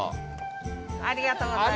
ありがとうございます。